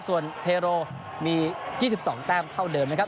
ส่วนเทโรมี๒๒แต้มเท่าเดิมนะครับ